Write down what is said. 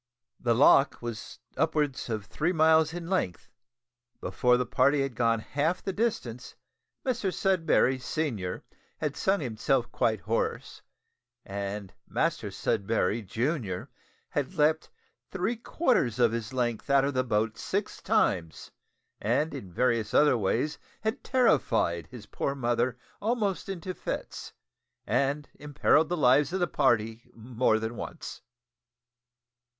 The loch was upwards of three miles in length; before the party had gone half the distance Mr Sudberry senior had sung himself quite hoarse, and Master Sudberry junior had leaped three quarters of his length out of the boat six times, and in various other ways had terrified his poor mother almost into fits, and imperilled the lives of the party more than once.